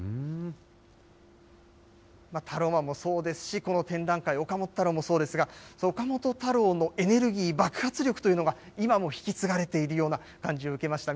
タローマンもそうですし、この展覧会、岡本太郎もそうですが、その岡本太郎のエネルギー、爆発力というのが今も引き継がれているような感じを受けました。